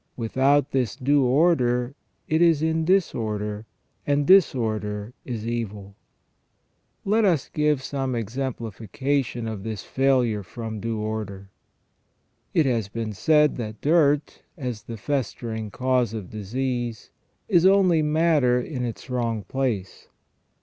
Without this due order it is in disorder, and disorder is evil. Let us give some exemplification of this failure from due order. It has been said that dirt, as the festering cause of disease, is only matter in its wrong place.